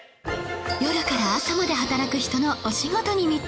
夜から朝まで働く人のお仕事に密着